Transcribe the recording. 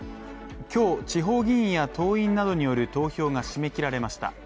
今日、地方議員や党員などによる投票が締め切られました。